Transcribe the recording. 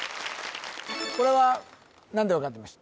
これは何で分かってました？